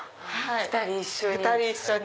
２人一緒に。